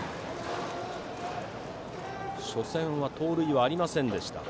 初戦は、盗塁はありませんでした。